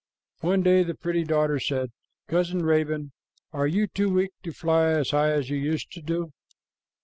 One day the pretty daughter said, "Cousin Raven, are you too weak to fly as high as you used to do?"